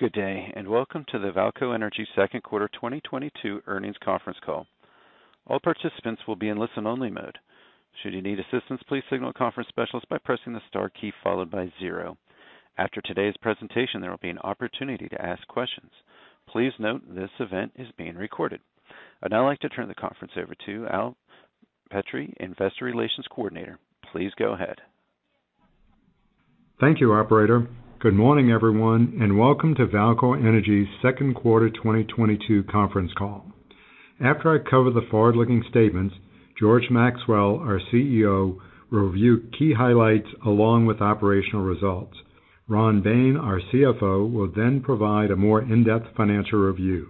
Good day, and welcome to the VAALCO Energy Second Quarter 2022 Earnings Conference Call. All participants will be in listen only mode. Should you need assistance, please signal a conference specialist by pressing the star key followed by zero. After today's presentation, there will be an opportunity to ask questions. Please note this event is being recorded. I'd now like to turn the conference over to Al Petrie, Investor Relations Coordinator. Please go ahead. Thank you, operator. Good morning, everyone, and welcome to VAALCO Energy Second Quarter 2022 Conference Call. After I cover the forward-looking statements, George Maxwell, our CEO, will review key highlights along with operational results. Ron Bain, our CFO, will then provide a more in-depth financial review.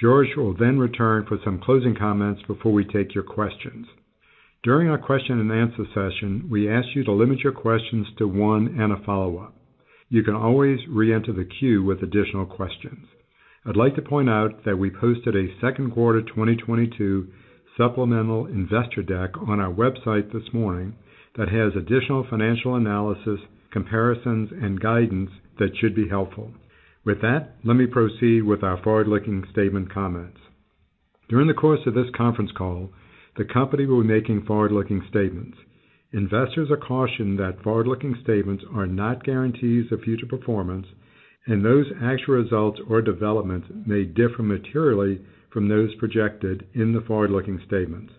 George will then return for some closing comments before we take your questions. During our question and answer session, we ask you to limit your questions to one and a follow-up. You can always re-enter the queue with additional questions. I'd like to point out that we posted a second quarter 2022 supplemental investor deck on our website this morning that has additional financial analysis, comparisons and guidance that should be helpful. With that, let me proceed with our forward-looking statement comments. During the course of this conference call, the company will be making forward-looking statements. Investors are cautioned that forward-looking statements are not guarantees of future performance, and those actual results or developments may differ materially from those projected in the forward-looking statements.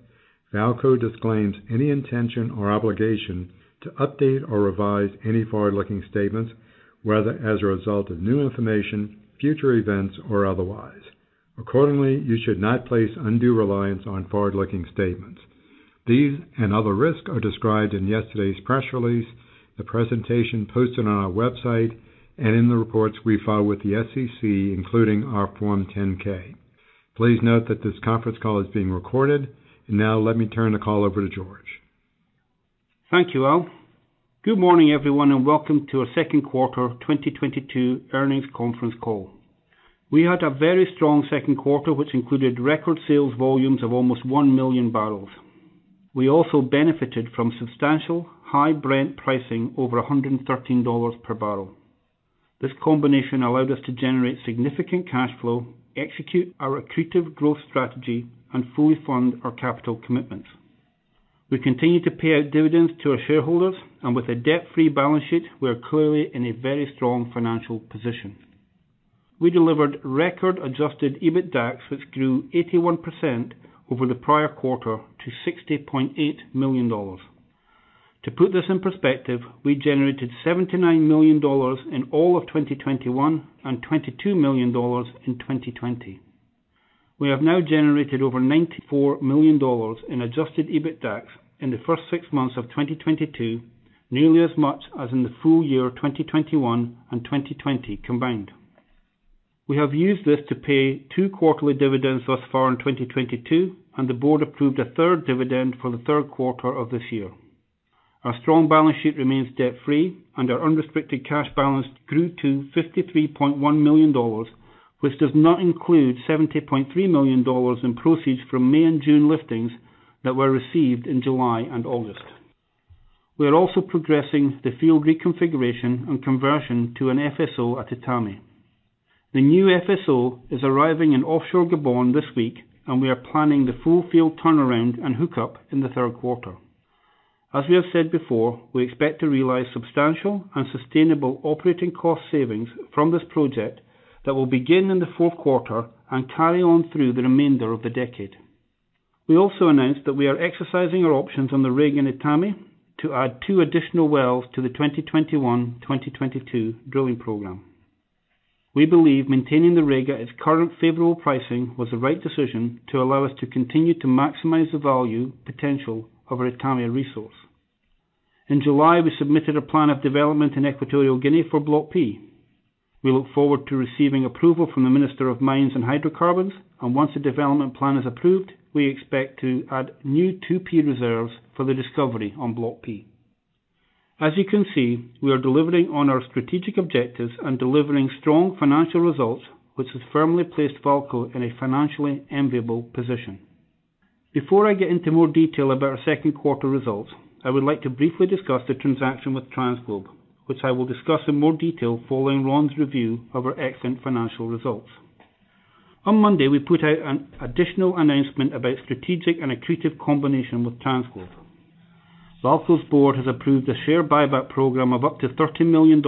VAALCO disclaims any intention or obligation to update or revise any forward-looking statements, whether as a result of new information, future events or otherwise. Accordingly, you should not place undue reliance on forward-looking statements. These and other risks are described in yesterday's press release, the presentation posted on our website and in the reports we file with the SEC, including our Form 10-K. Please note that this conference call is being recorded. Now let me turn the call over to George. Thank you, Al. Good morning, everyone, and welcome to our second quarter 2022 earnings conference call. We had a very strong second quarter, which included record sales volumes of almost 1 million barrels. We also benefited from substantial high Brent pricing over $113 per barrel. This combination allowed us to generate significant cash flow, execute our accretive growth strategy and fully fund our capital commitments. We continue to pay out dividends to our shareholders and with a debt-free balance sheet, we are clearly in a very strong financial position. We delivered record adjusted EBITDAX, which grew 81% over the prior quarter to $60.8 million. To put this in perspective, we generated $79 million in all of 2021 and $22 million in 2020. We have now generated over $94 million in adjusted EBITDAX in the first six months of 2022, nearly as much as in the full year of 2021 and 2020 combined. We have used this to pay two quarterly dividends thus far in 2022, and the board approved a third dividend for the third quarter of this year. Our strong balance sheet remains debt free and our unrestricted cash balance grew to $53.1 million, which does not include $70.3 million in proceeds from May and June liftings that were received in July and August. We are also progressing the field reconfiguration and conversion to an FSO at Etame. The new FSO is arriving in offshore Gabon this week, and we are planning the full field turnaround and hook up in the third quarter. As we have said before, we expect to realize substantial and sustainable operating cost savings from this project that will begin in the fourth quarter and carry on through the remainder of the decade. We also announced that we are exercising our options on the rig in Etame to add two additional wells to the 2021, 2022 drilling program. We believe maintaining the rig at its current favorable pricing was the right decision to allow us to continue to maximize the value potential of our Etame resource. In July, we submitted a plan of development in Equatorial Guinea for Block P. We look forward to receiving approval from the Minister of Mines and Hydrocarbons, and once the development plan is approved, we expect to add new 2P reserves for the discovery on Block P. As you can see, we are delivering on our strategic objectives and delivering strong financial results, which has firmly placed VAALCO in a financially enviable position. Before I get into more detail about our second quarter results, I would like to briefly discuss the transaction with TransGlobe, which I will discuss in more detail following Ron's review of our excellent financial results. On Monday, we put out an additional announcement about strategic and accretive combination with TransGlobe. VAALCO's board has approved a share buyback program of up to $13 million,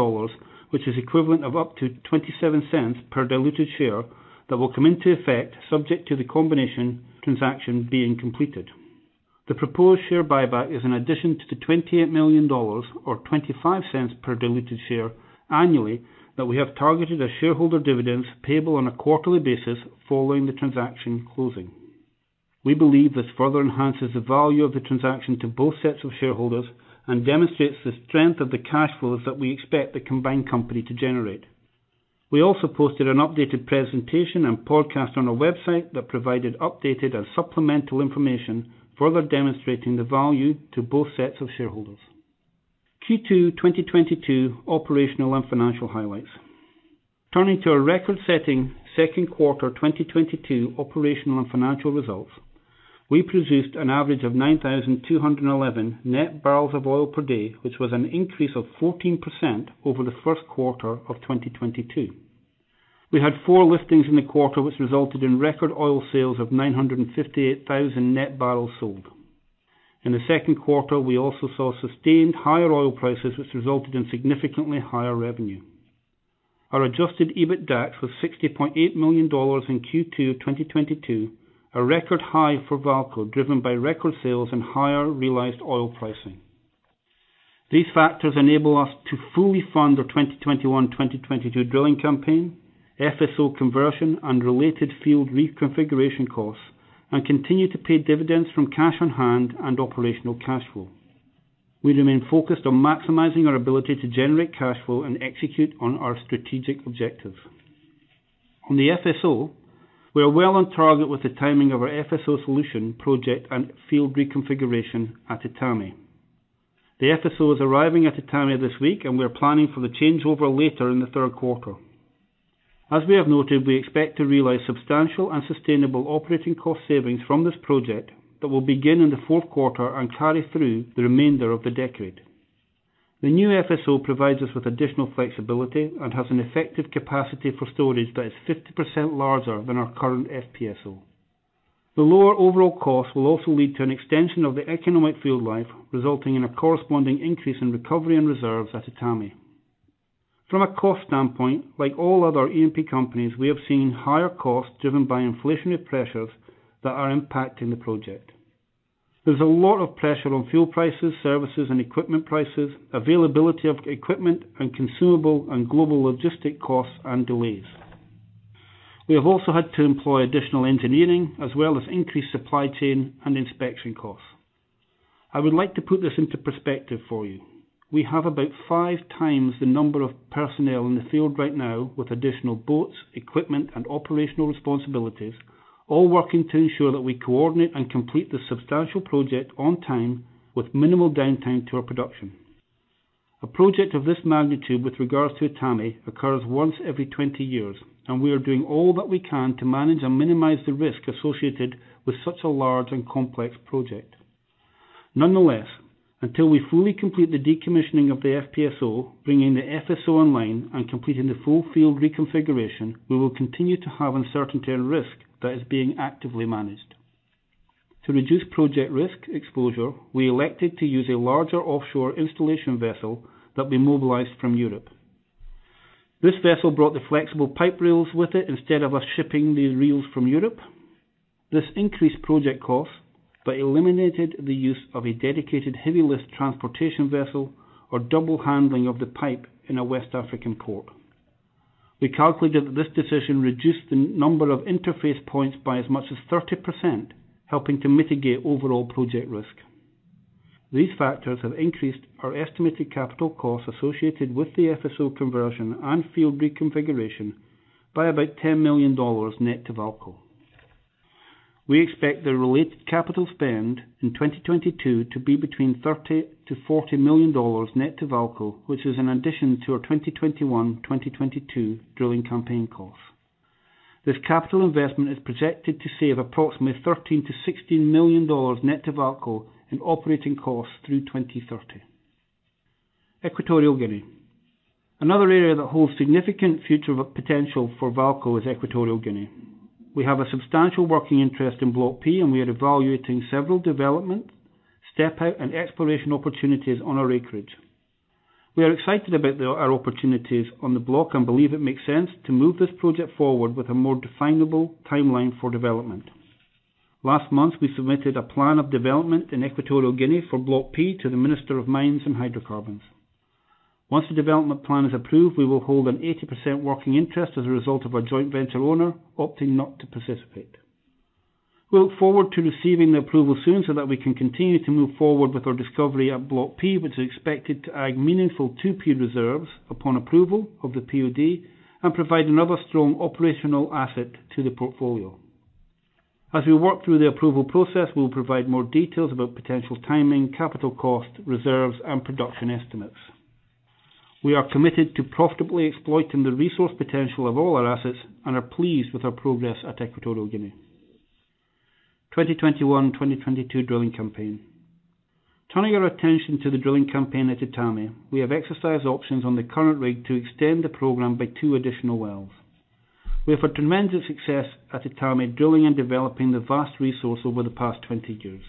which is equivalent of up to $0.27 per diluted share that will come into effect subject to the combination transaction being completed. The proposed share buyback is an addition to the $20 million or $0.25 per diluted share annually that we have targeted as shareholder dividends payable on a quarterly basis following the transaction closing. We believe this further enhances the value of the transaction to both sets of shareholders and demonstrates the strength of the cash flows that we expect the combined company to generate. We also posted an updated presentation and podcast on our website that provided updated and supplemental information, further demonstrating the value to both sets of shareholders. Q2 2022 operational and financial highlights. Turning to our record-setting second quarter 2022 operational and financial results. We produced an average of 9,211 net barrels of oil per day, which was an increase of 14% over the first quarter of 2022. We had four liftings in the quarter, which resulted in record oil sales of 958,000 net barrels sold. In the second quarter, we also saw sustained higher oil prices, which resulted in significantly higher revenue. Our adjusted EBITDAX was $68 million in Q2 2022, a record high for VAALCO, driven by record sales and higher realized oil pricing. These factors enable us to fully fund our 2021, 2022 drilling campaign, FSO conversion, and related field reconfiguration costs, and continue to pay dividends from cash on hand and operational cash flow. We remain focused on maximizing our ability to generate cash flow and execute on our strategic objectives. On the FSO, we are well on target with the timing of our FSO solution project and field reconfiguration at Etame. The FSO is arriving at Etame this week, and we are planning for the changeover later in the third quarter. As we have noted, we expect to realize substantial and sustainable operating cost savings from this project that will begin in the fourth quarter and carry through the remainder of the decade. The new FSO provides us with additional flexibility and has an effective capacity for storage that is 50% larger than our current FPSO. The lower overall cost will also lead to an extension of the economic field life, resulting in a corresponding increase in recovery and reserves at Etame. From a cost standpoint, like all other E&P companies, we have seen higher costs driven by inflationary pressures that are impacting the project. There's a lot of pressure on fuel prices, services and equipment prices, availability of equipment, and consumable and global logistic costs and delays. We have also had to employ additional engineering as well as increased supply chain and inspection costs. I would like to put this into perspective for you. We have about 5x the number of personnel in the field right now with additional boats, equipment, and operational responsibilities, all working to ensure that we coordinate and complete this substantial project on time with minimal downtime to our production. A project of this magnitude with regards to Etame occurs once every 20 years, and we are doing all that we can to manage and minimize the risk associated with such a large and complex project. Nonetheless, until we fully complete the decommissioning of the FPSO, bringing the FSO online and completing the full field reconfiguration, we will continue to have uncertainty and risk that is being actively managed. To reduce project risk exposure, we elected to use a larger offshore installation vessel that we mobilized from Europe. This vessel brought the flexible pipe reels with it instead of us shipping the reels from Europe. This increased project costs, but eliminated the use of a dedicated heavy-lift transportation vessel or double handling of the pipe in a West African port. We calculated that this decision reduced the number of interface points by as much as 30%, helping to mitigate overall project risk. These factors have increased our estimated capital costs associated with the FSO conversion and field reconfiguration by about $10 million net to VAALCO. We expect the related capital spend in 2022 to be between $30 million-$40 million net to VAALCO, which is an addition to our 2021, 2022 drilling campaign costs. This capital investment is projected to save approximately $13 million-$16 million net to VAALCO in operating costs through 2030. Equatorial Guinea. Another area that holds significant future potential for VAALCO is Equatorial Guinea. We have a substantial working interest in Block P, and we are evaluating several development, step-out, and exploration opportunities on our acreage. We are excited about our opportunities on the block and believe it makes sense to move this project forward with a more definable timeline for development. Last month, we submitted a Plan of Development in Equatorial Guinea for Block P to the Minister of Mines and Hydrocarbons. Once the development plan is approved, we will hold an 80% working interest as a result of our joint venture owner opting not to participate. We look forward to receiving the approval soon so that we can continue to move forward with our discovery at Block P, which is expected to add meaningful 2P reserves upon approval of the POD and provide another strong operational asset to the portfolio. As we work through the approval process, we will provide more details about potential timing, capital cost, reserves, and production estimates. We are committed to profitably exploiting the resource potential of all our assets and are pleased with our progress at Equatorial Guinea. 2021, 2022 drilling campaign. Turning our attention to the drilling campaign at Etame, we have exercised options on the current rig to extend the program by two additional wells. We have had tremendous success at Etame, drilling and developing the vast resource over the past 20 years.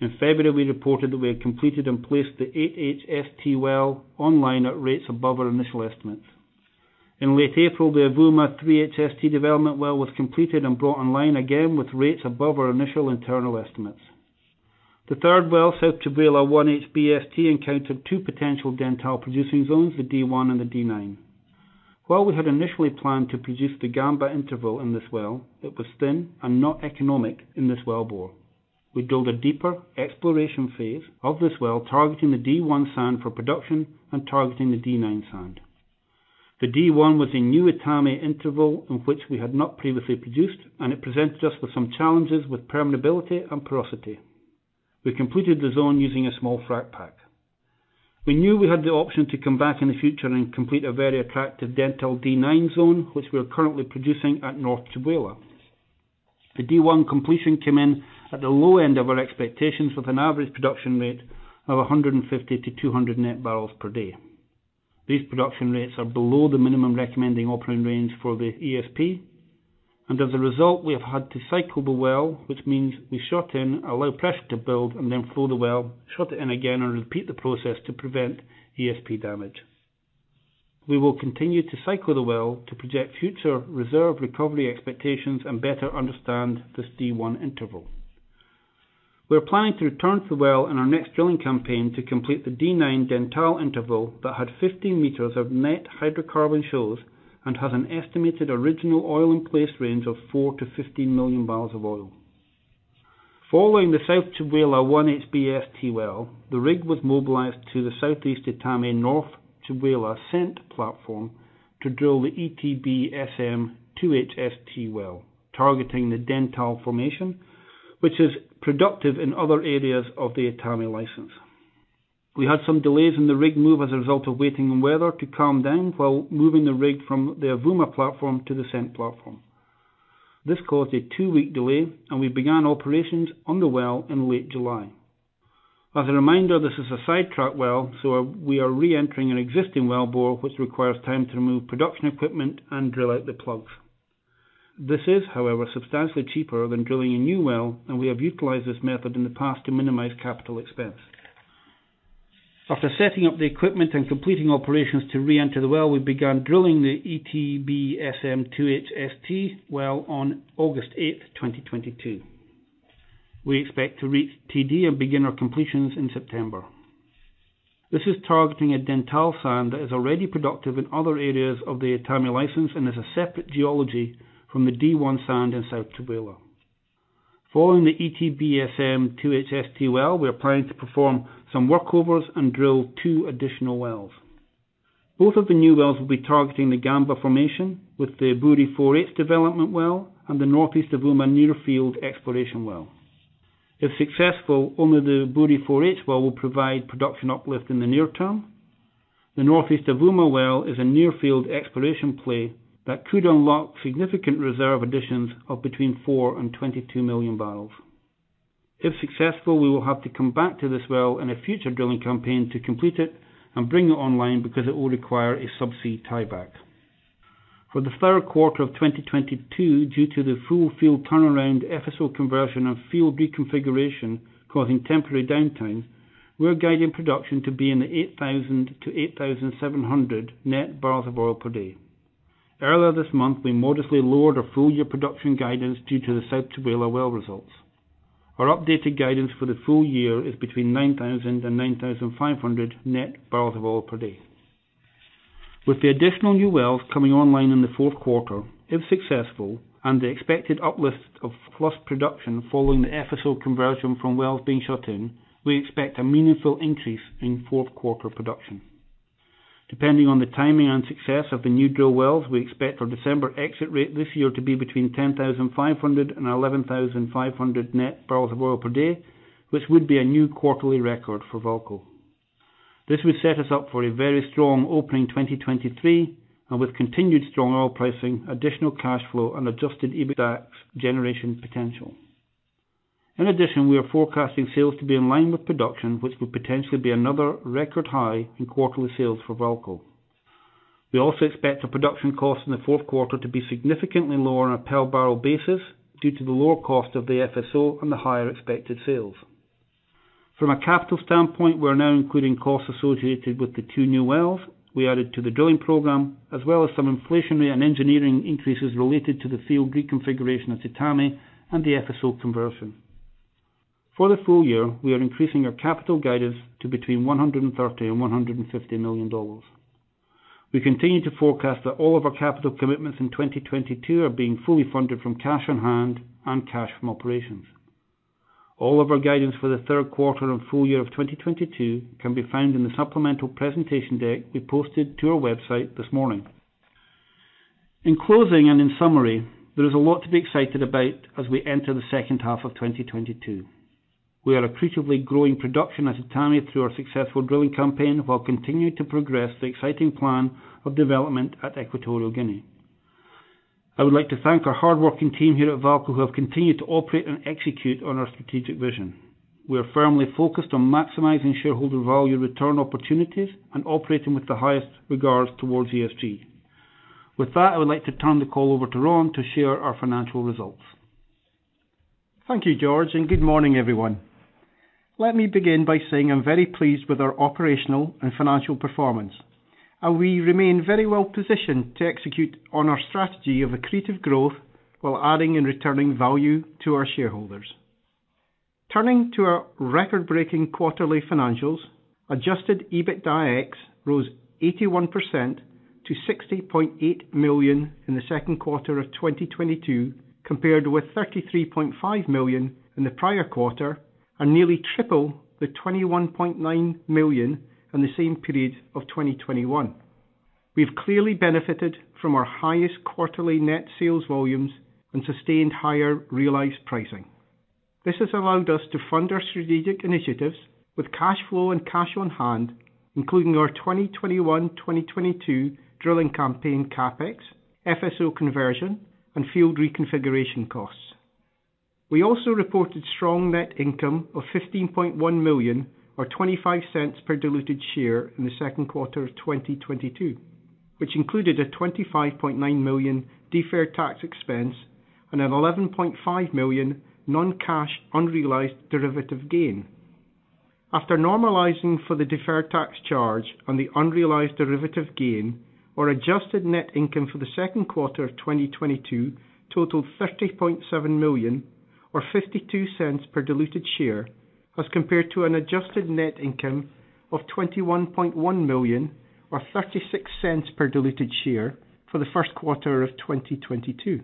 In February, we reported that we had completed and placed the 8 HST well online at rates above our initial estimates. In late April, the Avouma 3 HST development well was completed and brought online again with rates above our initial internal estimates. The third well, South Tchibala 1 HBST, encountered two potential Dentale producing zones, the D1 and the D9. While we had initially planned to produce the Gamba interval in this well, it was thin and not economic in this well bore. We drilled a deeper exploration phase of this well, targeting the D1 sand for production and targeting the D9 sand. The D1 was a new Etame interval in which we had not previously produced, and it presented us with some challenges with permeability and porosity. We completed the zone using a small frac pack. We knew we had the option to come back in the future and complete a very attractive Dentale D9 zone, which we are currently producing at North Tchibala. The D1 completion came in at the low end of our expectations, with an average production rate of 150-200 net barrels per day. These production rates are below the minimum recommended operating range for the ESP, and as a result, we have had to cycle the well, which means we shut in, allow pressure to build, and then flow the well, shut it in again and repeat the process to prevent ESP damage. We will continue to cycle the well to project future reserve recovery expectations and better understand this D1 interval. We are planning to return to the well in our next drilling campaign to complete the D9 Dentale interval that had 15 meters of net hydrocarbon shows and has an estimated original oil in place range of 4-15 million barrels of oil. Following the South Tchibala 1 HBST well, the rig was mobilized to the Southeast Etame North Tchibala SEENT platform to drill the ETBSM-2HST well, targeting the Dentale formation, which is productive in other areas of the Etame license. We had some delays in the rig move as a result of waiting on weather to calm down while moving the rig from the Avouma platform to the SEENT platform. This caused a two week delay, and we began operations on the well in late July. As a reminder, this is a sidetrack well, so we are re-entering an existing well bore which requires time to remove production equipment and drill out the plugs. This is, however, substantially cheaper than drilling a new well, and we have utilized this method in the past to minimize capital expense. After setting up the equipment and completing operations to re-enter the well, we began drilling the ETBSM-2HST well on August 8th, 2022. We expect to reach TD and begin our completions in September. This is targeting a Dentale sand that is already productive in other areas of the Etame license and is a separate geology from the D1 sand in South Tchibala. Following the ETBSM-2HST well, we are planning to perform some workovers and drill two additional wells. Both of the new wells will be targeting the Gamba formation with the Ebouri-4H development well and the North East Avouma near field exploration well. If successful, only the Ebouri-4H well will provide production uplift in the near term. The North East Avouma well is a near field exploration play that could unlock significant reserve additions of between 4 million-22 million barrels. If successful, we will have to come back to this well in a future drilling campaign to complete it and bring it online because it will require a subsea tieback. For the third quarter of 2022, due to the full field turnaround FSO conversion and field reconfiguration causing temporary downtime, we are guiding production to be in the 8,000-8,700 net barrels of oil per day. Earlier this month, we modestly lowered our full year production guidance due to the South Tchibala well results. Our updated guidance for the full year is between 9,000-9,500 net barrels of oil per day. With the additional new wells coming online in the fourth quarter, if successful, and the expected uplift of lost production following the FSO conversion from wells being shut in, we expect a meaningful increase in fourth quarter production. Depending on the timing and success of the new drill wells, we expect our December exit rate this year to be between 10,500-11,500 net barrels of oil per day, which would be a new quarterly record for VAALCO. This would set us up for a very strong opening 2023, and with continued strong oil pricing, additional cash flow and adjusted EBITDAX generation potential. In addition, we are forecasting sales to be in line with production, which will potentially be another record high in quarterly sales for VAALCO. We also expect our production costs in the fourth quarter to be significantly lower on a per barrel basis due to the lower cost of the FSO and the higher expected sales. From a capital standpoint, we are now including costs associated with the two new wells we added to the drilling program, as well as some inflationary and engineering increases related to the field reconfiguration at Etame and the FSO conversion. For the full year, we are increasing our capital guidance to between $130 million-$150 million. We continue to forecast that all of our capital commitments in 2022 are being fully funded from cash on hand and cash from operations. All of our guidance for the third quarter and full year of 2022 can be found in the supplemental presentation deck we posted to our website this morning. In closing and in summary, there is a lot to be excited about as we enter the second half of 2022. We are accretively growing production at Etame through our successful drilling campaign while continuing to progress the exciting plan of development at Equatorial Guinea. I would like to thank our hardworking team here at VAALCO who have continued to operate and execute on our strategic vision. We are firmly focused on maximizing shareholder value return opportunities and operating with the highest regards towards ESG. With that, I would like to turn the call over to Ron to share our financial results. Thank you, George, and good morning, everyone. Let me begin by saying I'm very pleased with our operational and financial performance, and we remain very well positioned to execute on our strategy of accretive growth while adding and returning value to our shareholders. Turning to our record-breaking quarterly financials, adjusted EBITDAX rose 81% to $60.8 million in the second quarter of 2022, compared with $33.5 million in the prior quarter and nearly triple the $21.9 million in the same period of 2021. We've clearly benefited from our highest quarterly net sales volumes and sustained higher realized pricing. This has allowed us to fund our strategic initiatives with cash flow and cash on hand, including our 2021, 2022 drilling campaign CapEx, FSO conversion, and field reconfiguration costs. We also reported strong net income of $15.1 million, or $0.25 per diluted share in the second quarter of 2022, which included a $25.9 million deferred tax expense and an $11.5 million non-cash unrealized derivative gain. After normalizing for the deferred tax charge on the unrealized derivative gain, our adjusted net income for the second quarter of 2022 totaled $30.7 million or $0.52 per diluted share as compared to an adjusted net income of $21.1 million or $0.36 per diluted share for the first quarter of 2022.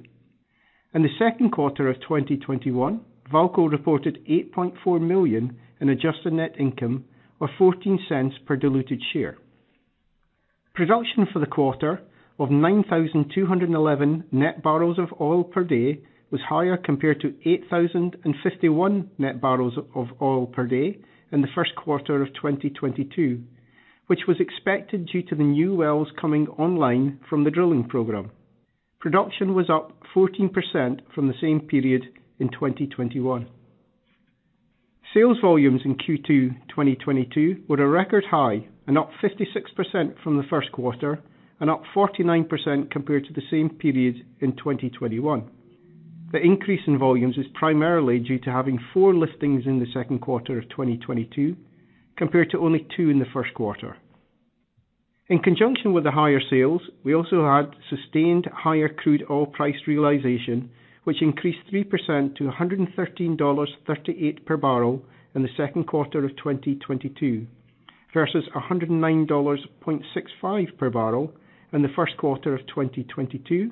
In the second quarter of 2021, VAALCO reported $8.4 million in adjusted net income or $0.14 per diluted share. Production for the quarter of 9,211 net barrels of oil per day was higher compared to 8,051 net barrels of oil per day in the first quarter of 2022, which was expected due to the new wells coming online from the drilling program. Production was up 14% from the same period in 2021. Sales volumes in Q2 2022 were a record high and up 56% from the first quarter and up 49% compared to the same period in 2021. The increase in volumes is primarily due to having four liftings in the second quarter of 2022 compared to only two in the first quarter. In conjunction with the higher sales, we also had sustained higher crude oil price realization, which increased 3% to $113.38 per barrel in the second quarter of 2022 versus $109.65 per barrel in the first quarter of 2022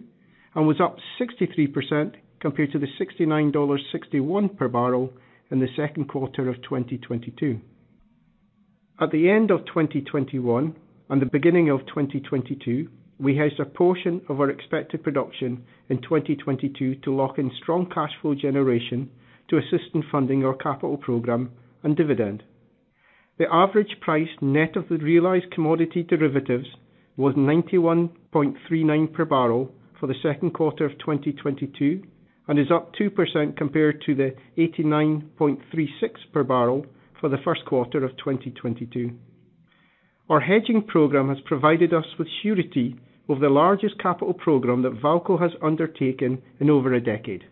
and was up 63% compared to the $69.61 per barrel in the second quarter of 2022. At the end of 2021 and the beginning of 2022, we hedged a portion of our expected production in 2022 to lock in strong cash flow generation to assist in funding our capital program and dividend. The average price net of the realized commodity derivatives was $91.39 per barrel for the second quarter of 2022 and is up 2% compared to the $89.36 per barrel for the first quarter of 2022. Our hedging program has provided us with surety over the largest capital program that VAALCO has undertaken in over a decade.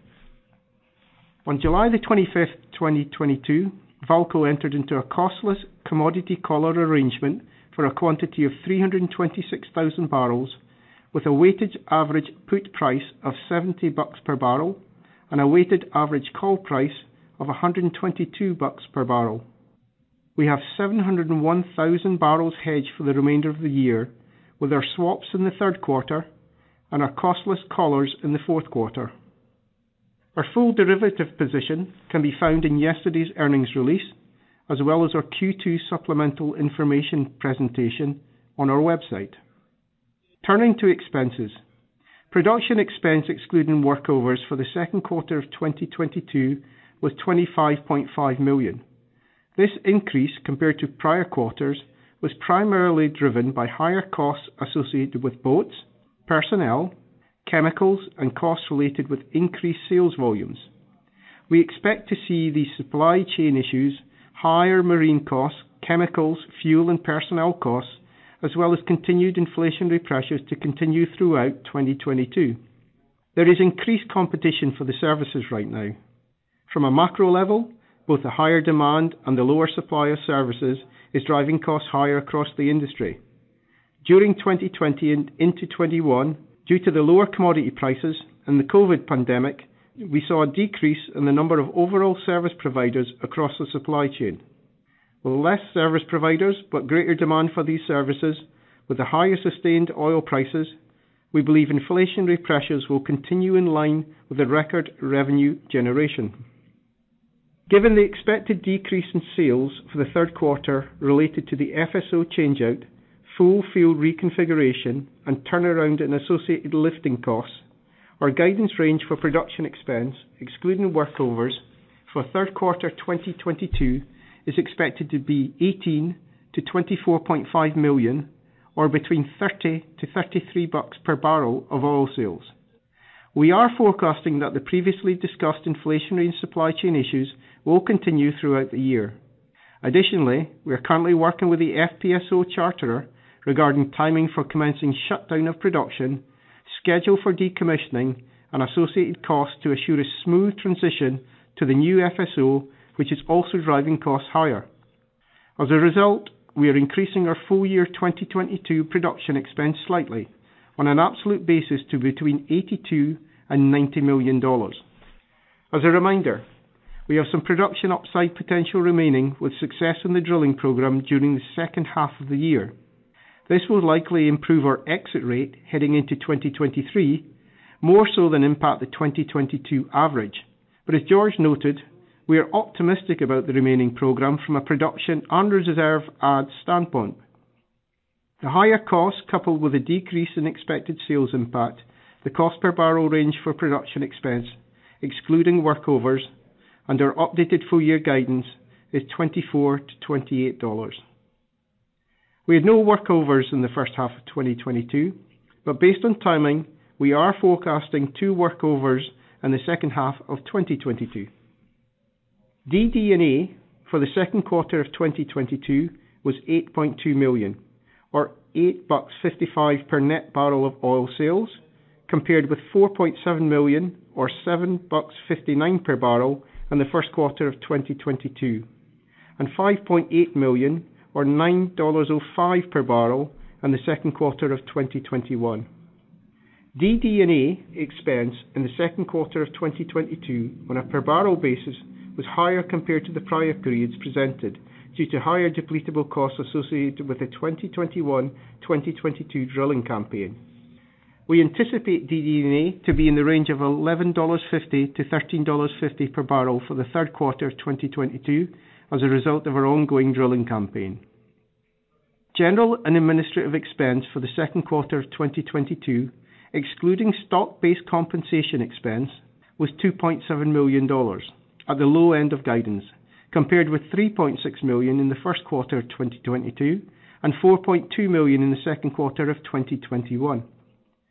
On July 25th, 2022, VAALCO entered into a costless commodity collar arrangement for a quantity of 326,000 barrels with a weighted average put price of $70 per barrel and a weighted average call price of $122 per barrel. We have 701,000 barrels hedged for the remainder of the year with our swaps in the third quarter and our costless collars in the fourth quarter. Our full derivative position can be found in yesterday's earnings release, as well as our Q2 supplemental information presentation on our website. Turning to expenses. Production expense excluding workovers for the second quarter of 2022 was $25.5 million. This increase compared to prior quarters was primarily driven by higher costs associated with boats, personnel, chemicals, and costs related with increased sales volumes. We expect to see these supply chain issues, higher marine costs, chemicals, fuel and personnel costs, as well as continued inflationary pressures to continue throughout 2022. There is increased competition for the services right now. From a macro level, both the higher demand and the lower supply of services is driving costs higher across the industry. During 2020 and into 2021, due to the lower commodity prices and the COVID pandemic, we saw a decrease in the number of overall service providers across the supply chain. With less service providers, but greater demand for these services with the higher sustained oil prices, we believe inflationary pressures will continue in line with the record revenue generation. Given the expected decrease in sales for the third quarter related to the FSO change-out, full field reconfiguration and turnaround and associated lifting costs, our guidance range for production expense, excluding workovers for third quarter 2022 is expected to be $18-$24.5 million or between $30-$33 per barrel of oil sales. We are forecasting that the previously discussed inflationary and supply chain issues will continue throughout the year. Additionally, we are currently working with the FPSO charterer regarding timing for commencing shutdown of production, schedule for decommissioning and associated costs to assure a smooth transition to the new FSO, which is also driving costs higher. As a result, we are increasing our full-year 2022 production expense slightly on an absolute basis to between $82 million-$90 million. As a reminder, we have some production upside potential remaining with success in the drilling program during the second half of the year. This will likely improve our exit rate heading into 2023 more so than impact the 2022 average. As George noted, we are optimistic about the remaining program from a production and reserve adds standpoint. The higher cost coupled with a decrease in expected sales impact, the cost per barrel range for production expense excluding workovers and our updated full year guidance is $24-$28. We had no workovers in the first half of 2022, but based on timing, we are forecasting two workovers in the second half of 2022. DD&A for the second quarter of 2022 was $8.2 million or $8.55 per net barrel of oil sales, compared with $4.7 million or $7.59 per barrel in the first quarter of 2022, and $5.8 million or $9.05 per barrel in the second quarter of 2021. DD&A expense in the second quarter of 2022 on a per barrel basis was higher compared to the prior periods presented due to higher depletable costs associated with the 2021, 2022 drilling campaign. We anticipate DD&A to be in the range of $11.50-$13.50 per barrel for the third quarter of 2022 as a result of our ongoing drilling campaign. General and administrative expense for the second quarter of 2022, excluding stock-based compensation expense, was $2.7 million at the low end of guidance, compared with $3.6 million in the first quarter of 2022 and $4.2 million in the second quarter of 2021.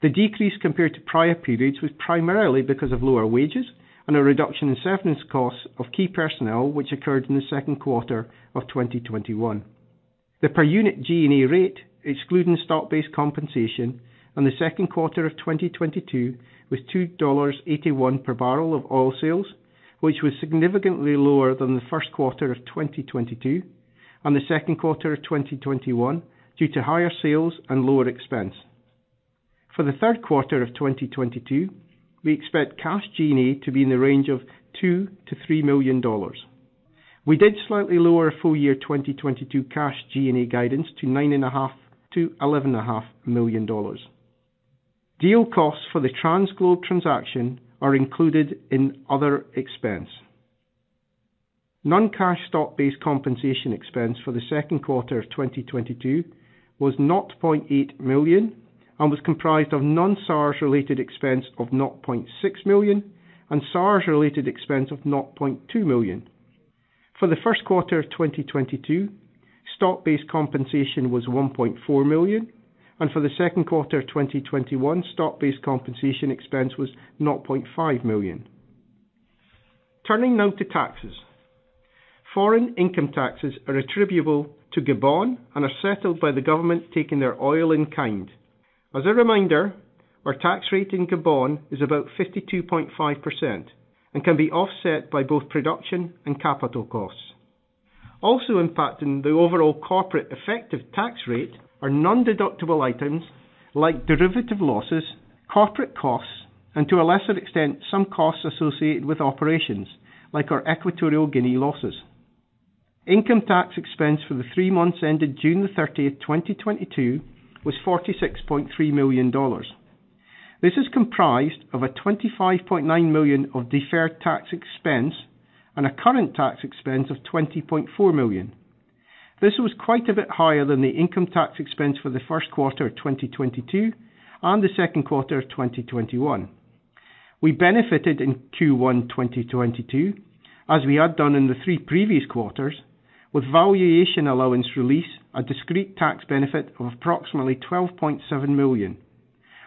The decrease compared to prior periods was primarily because of lower wages and a reduction in severance costs of key personnel, which occurred in the second quarter of 2021. The per unit G&A rate, excluding stock-based compensation in the second quarter of 2022, was $2.81 per barrel of oil sales, which was significantly lower than the first quarter of 2022 and the second quarter of 2021 due to higher sales and lower expense. For the third quarter of 2022, we expect cash G&A to be in the range of $2-$3 million. We did slightly lower full year 2022 cash G&A guidance to $9.5 million-$11.5 million. Deal costs for the TransGlobe transaction are included in other expense. Non-cash stock-based compensation expense for the second quarter of 2022 was $0.8 million and was comprised of non-SARS related expense of $0.6 million and SARS related expense of $0.2 million. For the first quarter of 2022, stock-based compensation was $1.4 million, and for the second quarter of 2021, stock-based compensation expense was $0.5 million. Turning now to taxes. Foreign income taxes are attributable to Gabon and are settled by the government taking their oil in kind. As a reminder, our tax rate in Gabon is about 52.5% and can be offset by both production and capital costs. Also impacting the overall corporate effective tax rate are non-deductible items like derivative losses, corporate costs, and to a lesser extent, some costs associated with operations like our Equatorial Guinea losses. Income tax expense for the three months ended June 30th, 2022 was $46.3 million. This is comprised of a $25.9 million of deferred tax expense and a current tax expense of $20.4 million. This was quite a bit higher than the income tax expense for the first quarter of 2022 and the second quarter of 2021. We benefited in Q1, 2022, as we had done in the three previous quarters with valuation allowance release, a discrete tax benefit of approximately $12.7 million.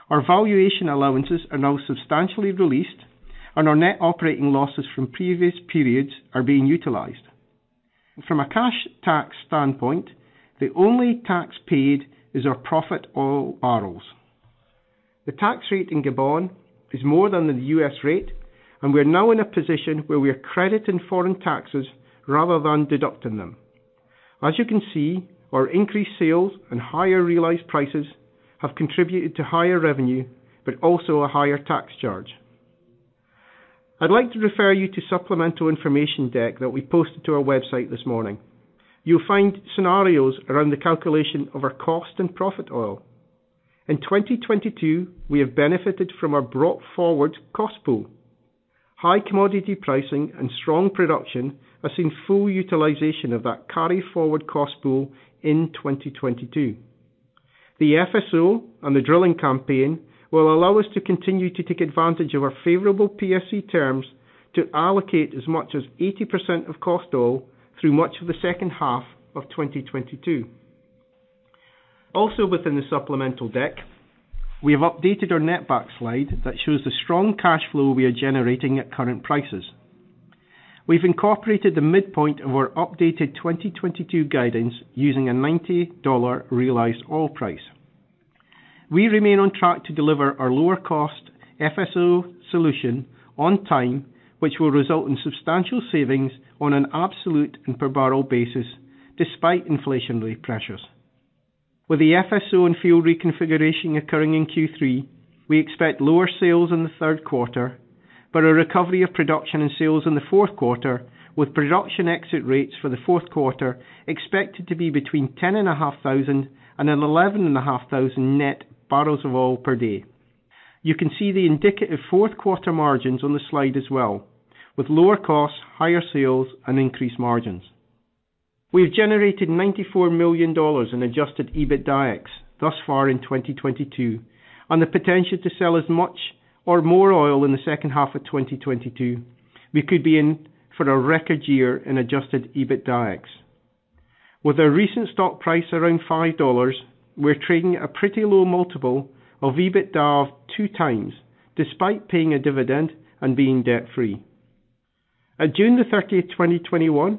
Our valuation allowances are now substantially released and our net operating losses from previous periods are being utilized. From a cash tax standpoint, the only tax paid is our profit oil barrels. The tax rate in Gabon is more than the U.S. rate, and we are now in a position where we are crediting foreign taxes rather than deducting them. As you can see, our increased sales and higher realized prices have contributed to higher revenue, but also a higher tax charge. I'd like to refer you to supplemental information deck that we posted to our website this morning. You'll find scenarios around the calculation of our cost and profit oil. In 2022, we have benefited from our brought forward cost pool. High commodity pricing and strong production has seen full utilization of that carry forward cost pool in 2022. The FSO and the drilling campaign will allow us to continue to take advantage of our favorable PSC terms to allocate as much as 80% of cost oil through much of the second half of 2022. Within the supplemental deck, we have updated our netback slide that shows the strong cash flow we are generating at current prices. We've incorporated the midpoint of our updated 2022 guidance using a $90 realized oil price. We remain on track to deliver our lower cost FSO solution on time, which will result in substantial savings on an absolute and per barrel basis despite inflationary pressures. With the FSO and field reconfiguration occurring in Q3, we expect lower sales in the third quarter, but a recovery of production and sales in the fourth quarter with production exit rates for the fourth quarter expected to be between 10,500-11,500 net barrels of oil per day. You can see the indicative fourth quarter margins on the slide as well, with lower costs, higher sales and increased margins. We have generated $94 million in adjusted EBITDAX thus far in 2022 and the potential to sell as much or more oil in the second half of 2022. We could be in for a record year in adjusted EBITDAX. With our recent stock price around $5, we're trading at a pretty low multiple of EBITDA of 2x, despite paying a dividend and being debt-free. At June 30, 2021,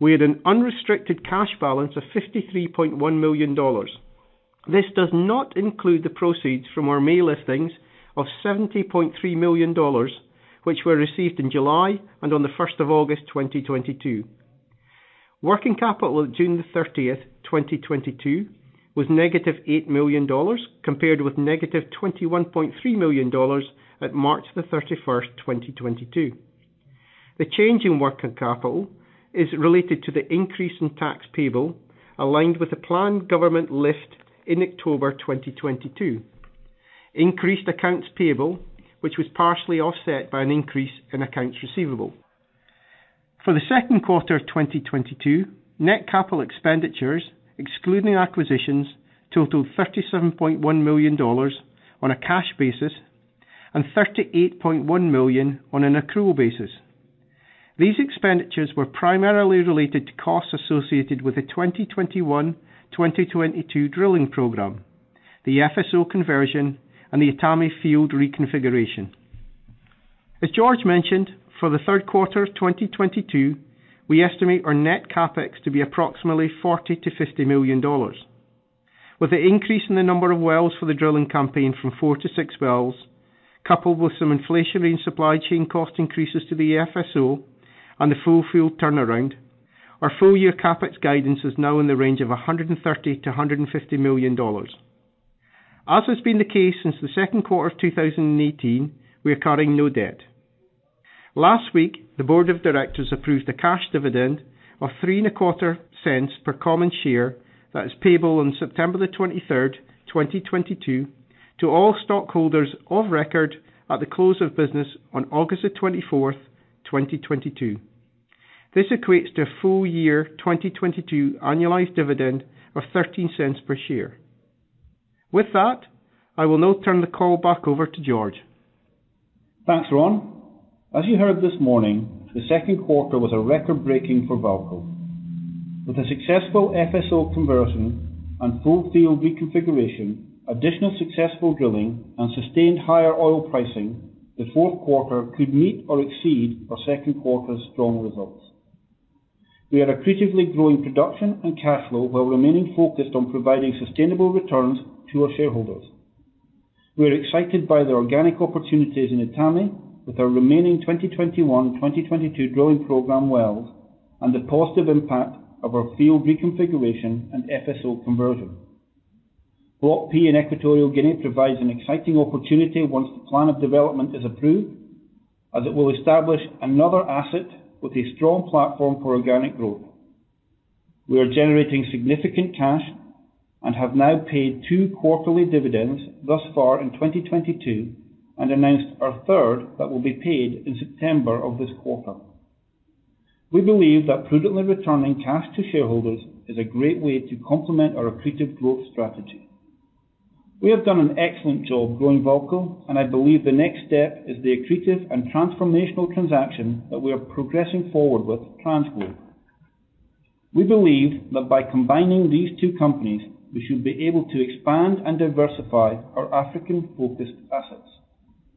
we had an unrestricted cash balance of $53.1 million. This does not include the proceeds from our May listings of $70.3 million, which were received in July and on August 1st, 2022. Working capital at June 30th, 2022 was negative $8 million, compared with negative $21.3 million at March 31, 2022. The change in working capital is related to the increase in tax payable, aligned with the planned government lift in October 2022, increased accounts payable, which was partially offset by an increase in accounts receivable. For the second quarter of 2022, net capital expenditures, excluding acquisitions, totaled $37.1 million on a cash basis and $38.1 million on an accrual basis. These expenditures were primarily related to costs associated with the 2021, 2022 drilling program, the FSO conversion, and the Etame field reconfiguration. As George mentioned, for the third quarter of 2022, we estimate our net CapEx to be approximately $40-$50 million. With the increase in the number of wells for the drilling campaign from four to six wells, coupled with some inflationary and supply chain cost increases to the FSO and the full field turnaround, our full year CapEx guidance is now in the range of $130 million-$150 million. As has been the case since the second quarter of 2018, we are carrying no debt. Last week, the board of directors approved a cash dividend of $0.0325 per common share that is payable on September 23rd, 2022 to all stockholders of record at the close of business on August 24th, 2022. This equates to a full year 2022 annualized dividend of $0.13 per share. With that, I will now turn the call back over to George. Thanks, Ron. As you heard this morning, the second quarter was a record-breaking for VAALCO. With a successful FSO conversion and full field reconfiguration, additional successful drilling and sustained higher oil pricing, the fourth quarter could meet or exceed our second quarter's strong results. We are accretively growing production and cash flow while remaining focused on providing sustainable returns to our shareholders. We are excited by the organic opportunities in Etame with our remaining 2021, 2022 drilling program wells and the positive impact of our field reconfiguration and FSO conversion. Block P in Equatorial Guinea provides an exciting opportunity once the plan of development is approved, as it will establish another asset with a strong platform for organic growth. We are generating significant cash and have now paid two quarterly dividends thus far in 2022 and announced our third that will be paid in September of this quarter. We believe that prudently returning cash to shareholders is a great way to complement our accretive growth strategy. We have done an excellent job growing VAALCO, and I believe the next step is the accretive and transformational transaction that we are progressing forward with TransGlobe. We believe that by combining these two companies, we should be able to expand and diversify our African-focused assets,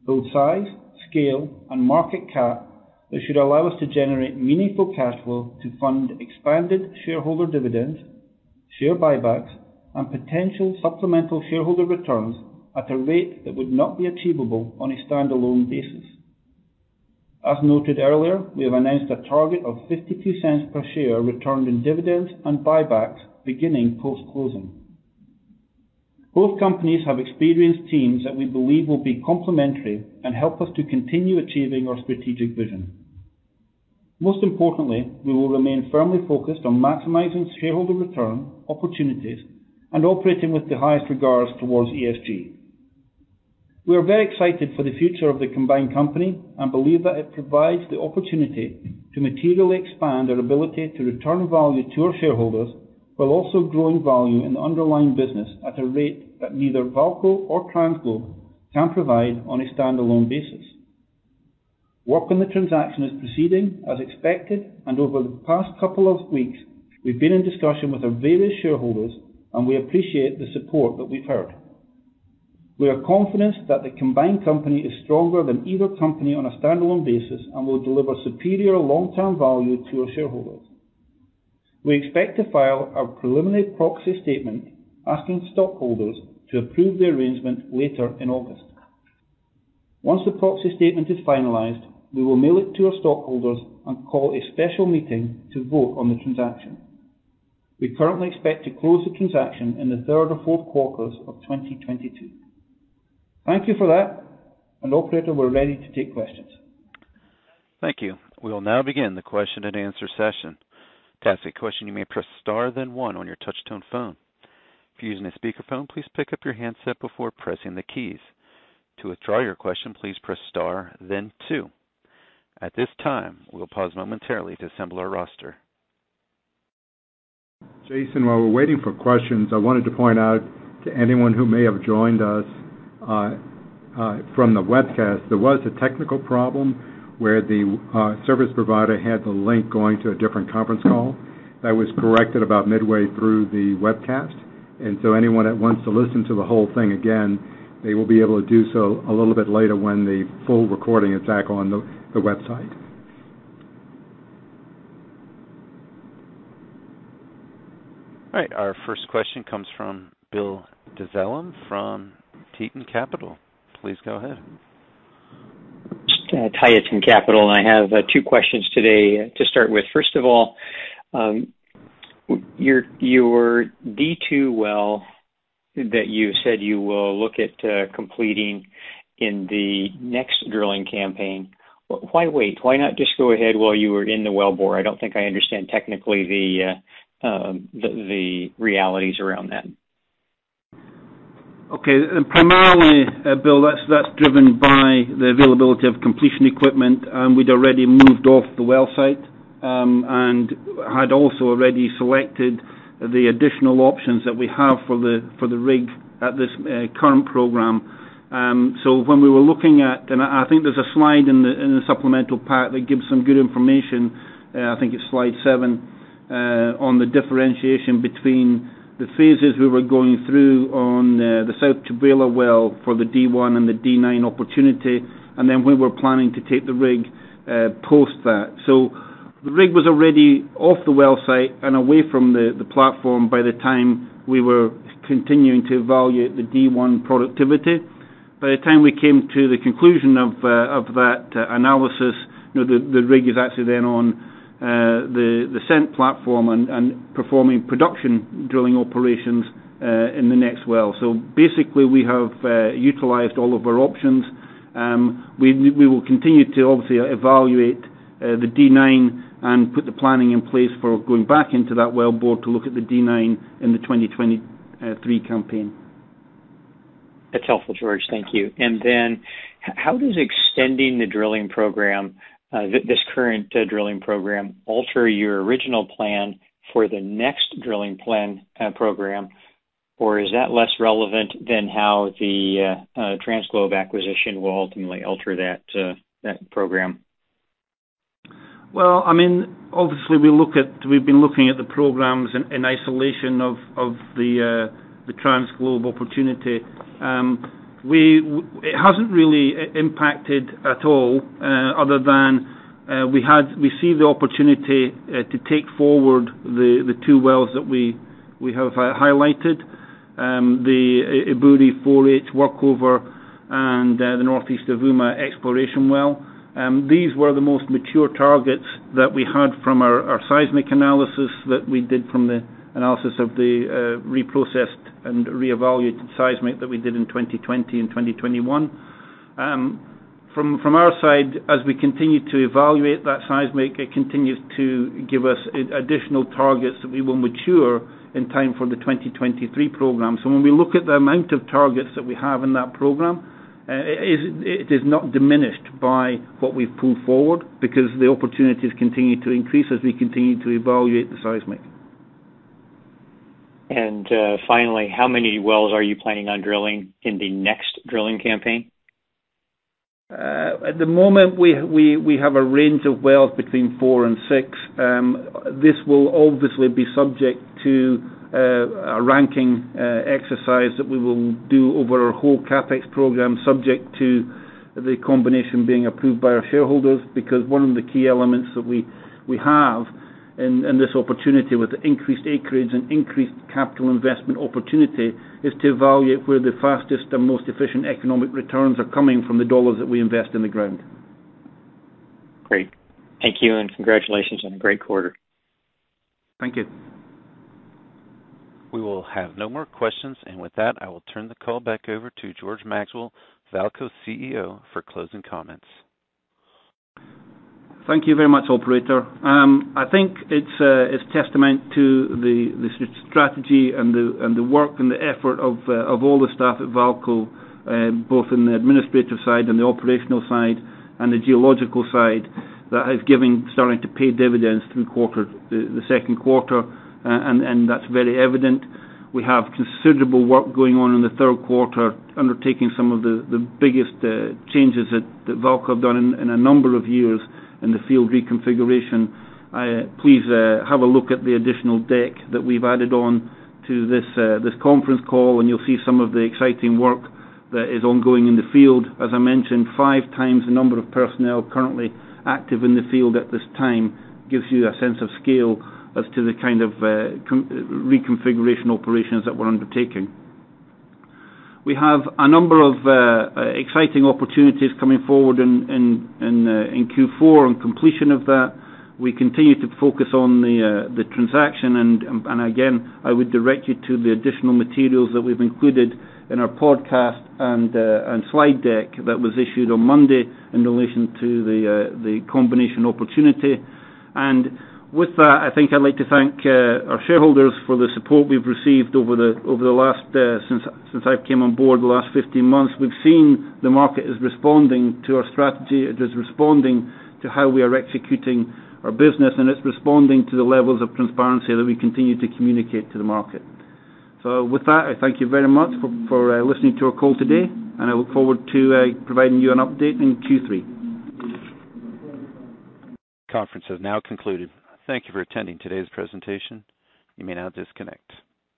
build size, scale, and market cap that should allow us to generate meaningful cash flow to fund expanded shareholder dividends, share buybacks, and potential supplemental shareholder returns at a rate that would not be achievable on a standalone basis. As noted earlier, we have announced a target of $0.52 per share returned in dividends and buybacks beginning post-closing. Both companies have experienced teams that we believe will be complementary and help us to continue achieving our strategic vision. Most importantly, we will remain firmly focused on maximizing shareholder return opportunities and operating with the highest regards towards ESG. We are very excited for the future of the combined company and believe that it provides the opportunity to materially expand our ability to return value to our shareholders, while also growing value in the underlying business at a rate that neither VAALCO or TransGlobe can provide on a standalone basis. Work on the transaction is proceeding as expected, and over the past couple of weeks, we've been in discussion with our various shareholders, and we appreciate the support that we've heard. We are confident that the combined company is stronger than either company on a standalone basis and will deliver superior long-term value to our shareholders. We expect to file our preliminary proxy statement asking stockholders to approve the arrangement later in August. Once the proxy statement is finalized, we will mail it to our stockholders and call a special meeting to vote on the transaction. We currently expect to close the transaction in the third or fourth quarters of 2022. Thank you for that, and operator, we're ready to take questions. Thank you. We'll now begin the question and answer session. To ask a question, you may press star then one on your touchtone phone. If you're using a speakerphone, please pick up your handset before pressing the keys. To withdraw your question, please press star then two. At this time, we'll pause momentarily to assemble our roster. Jason, while we're waiting for questions, I wanted to point out to anyone who may have joined us from the webcast, there was a technical problem where the service provider had the link going to a different conference call. That was corrected about midway through the webcast. Anyone that wants to listen to the whole thing again, they will be able to do so a little bit later when the full recording is back on the website. All right, our first question comes from Bill Dezellem from Tieton Capital. Please go ahead. Tieton Capital Management. I have two questions today to start with. First of all, your D2 well that you said you will look at completing in the next drilling campaign. Why wait? Why not just go ahead while you were in the wellbore? I don't think I understand technically the realities around that. Okay. Primarily, Bill, that's driven by the availability of completion equipment. We'd already moved off the well site and had also already selected the additional options that we have for the rig at this current program. When we were looking at, I think there's a slide in the supplemental pack that gives some good information. I think it's slide seven on the differentiation between the phases we were going through on the South Tchibala well for the D1 and the D9 opportunity, and then we were planning to take the rig post that. The rig was already off the well site and away from the platform by the time we were continuing to evaluate the D1 productivity. By the time we came to the conclusion of that analysis, you know, the rig is actually then on the SEENT platform and performing production drilling operations in the next well. Basically, we have utilized all of our options. We will continue to obviously evaluate the D9 and put the planning in place for going back into that well bore to look at the D9 in the 2023 campaign. That's helpful, George. Thank you. How does extending the drilling program, this current drilling program alter your original plan for the next drilling program? Is that less relevant than how the TransGlobe acquisition will ultimately alter that program? I mean, obviously, we've been looking at the programs in isolation of the TransGlobe opportunity. It hasn't really impacted at all, other than we see the opportunity to take forward the two wells that we have highlighted, the Ebouri-4H workover and the northeast of Avouma exploration well. These were the most mature targets that we had from our seismic analysis that we did from the analysis of the reprocessed and reevaluated seismic that we did in 2020 and 2021. From our side, as we continue to evaluate that seismic, it continues to give us additional targets that we will mature in time for the 2023 program. When we look at the amount of targets that we have in that program, it is not diminished by what we've pulled forward because the opportunities continue to increase as we continue to evaluate the seismic. Finally, how many wells are you planning on drilling in the next drilling campaign? At the moment, we have a range of wells between 4-6. This will obviously be subject to a ranking exercise that we will do over our whole CapEx program, subject to the combination being approved by our shareholders, because one of the key elements that we have in this opportunity with increased acreage and increased capital investment opportunity is to evaluate where the fastest and most efficient economic returns are coming from the dollars that we invest in the ground. Great. Thank you, and congratulations on a great quarter. Thank you. We will have no more questions. With that, I will turn the call back over to George Maxwell, VAALCO CEO, for closing comments. Thank you very much, operator. I think it's testament to the strategy and the work and the effort of all the staff at VAALCO, both in the administrative side and the operational side and the geological side that is starting to pay dividends through the second quarter. That's very evident. We have considerable work going on in the third quarter, undertaking some of the biggest changes that VAALCO have done in a number of years in the field reconfiguration. Please, have a look at the additional deck that we've added on to this conference call, and you'll see some of the exciting work that is ongoing in the field. As I mentioned, five times the number of personnel currently active in the field at this time gives you a sense of scale as to the kind of reconfiguration operations that we're undertaking. We have a number of exciting opportunities coming forward in Q4 on completion of that. We continue to focus on the transaction, and again, I would direct you to the additional materials that we've included in our podcast and slide deck that was issued on Monday in relation to the combination opportunity. With that, I think I'd like to thank our shareholders for the support we've received over the last, since I've came on board the last 15 months. We've seen the market is responding to our strategy. It is responding to how we are executing our business, and it's responding to the levels of transparency that we continue to communicate to the market. With that, I thank you very much for listening to our call today, and I look forward to providing you an update in Q3. Conference has now concluded. Thank you for attending today's presentation. You may now disconnect.